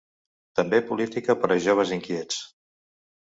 També Política per a joves inquiets.